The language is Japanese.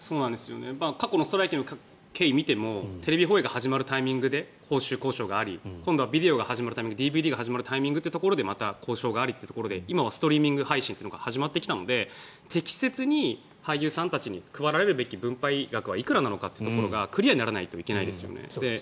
過去のストライキの経緯を見てもテレビ放映が始まるタイミングで報酬交渉があり今度はビデオが始まるタイミングＤＶＤが始まるタイミングというところでまた交渉がありっていうところで今はストリーミング配信が始まってきたので適切に俳優さんたちに配られるべき分配額がいくらなのかというところがクリアにならないといけないですよね。